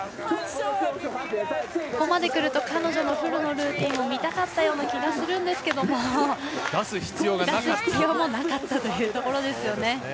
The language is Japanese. ここまで来ると彼女のフルのルーティンも見たかったような気がするんですけど出す必要もなかったというところですよね。